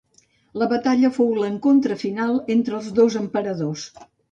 La batalla fou l'encontre final entre els dos emperadors.